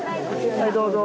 はいどうぞ。